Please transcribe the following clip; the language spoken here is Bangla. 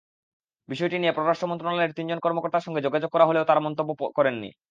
বিষয়টি নিয়ে পররাষ্ট্র মন্ত্রণালয়ের তিনজন কর্মকর্তার সঙ্গে যোগাযোগ করা হলেও তাঁরা মন্তব্য করেননি।